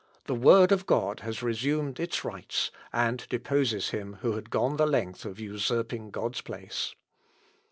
The Word of God has resumed its rights, and deposes him who had gone the length of usurping God's place.